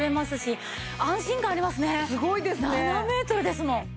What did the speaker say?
すごいですね。